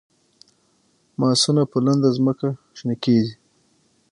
ماسونه په لنده ځمکه شنه کیږي